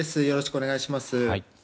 よろしくお願いします。